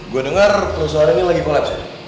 gue dengar perusahaan ini lagi kolaps